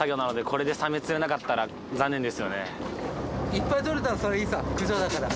いっぱい獲れたらそりゃいいさ駆除だから。